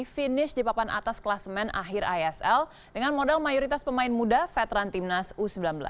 finish di papan atas kelas main akhir isl dengan modal mayoritas pemain muda veteran timnas u sembilan belas